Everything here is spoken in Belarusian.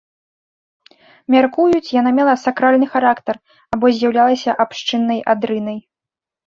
Мяркуюць, яна мела сакральны характар або з'яўлялася абшчыннай адрынай.